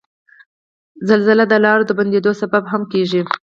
زلزله د لارو د بندیدو سبب هم کیږي.